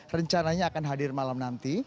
rencananya akan hadir malam nanti